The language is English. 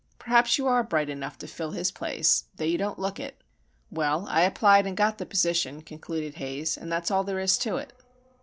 Perhaps you are bright enough to fill his place,—though you don't look it.' "Well, I applied, and got the position," concluded Haze, "and that's all there is to it."